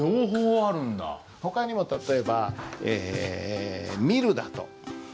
ほかにも例えばえ「見る」だと？